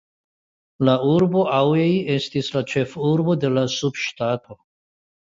La urbo Aŭeil estis la ĉefurbo de la subŝtato.